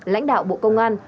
lãnh đạo bộ công an